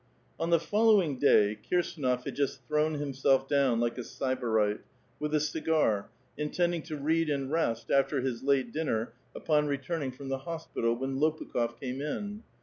On the following day, Kirsdnof had just thrown himself down like a sybarite, with a cigar, intending to read and rest after his late dinner upon returning from the hospital, when Lopukh6f came in. A VITAL QUESTION.